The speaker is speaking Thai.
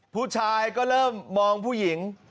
ผู้ชายก็เริ่มมองผู้หญิง